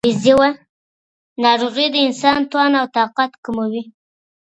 ناروغي د انسان توان او طاقت کموي.